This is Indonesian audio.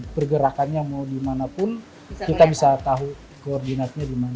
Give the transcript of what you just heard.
pergerakannya mau dimanapun kita bisa tahu koordinatnya dimana